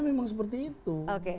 memang seperti itu